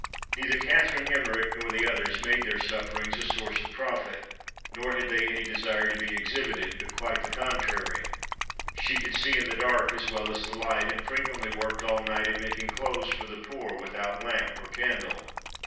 Neither Catherine Emmerich nor the others made their sufferings a source of profit, nor had they any desire to be exhibited—but quite the contrary. She could see in the dark as well as the light, and frequently worked all night at making clothes for the poor, without lamp or candle.